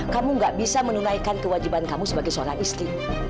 kamu gak bisa menunaikan kewajiban kamu sebagai seorang istri